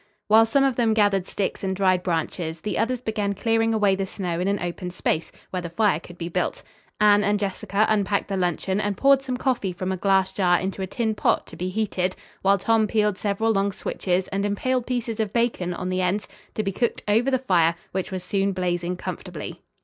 While some of them gathered sticks and dried branches, the others began clearing away the snow in an open space, where the fire could be built. Anne and Jessica unpacked the luncheon and poured some coffee from a glass jar into a tin pot to be heated, while Tom peeled several long switches and impaled pieces of bacon on the ends to be cooked over the fire, which was soon blazing comfortably.